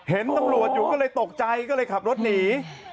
เห็นตำรวจอยู่ก็เลยตกใจก็เลยขับรถหนี